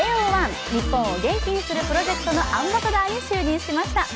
日本を元気にするプロジェクトのアンバサダーに就任しました。